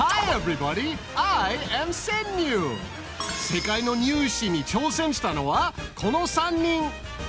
世界のニュー試に挑戦したのはこの３人。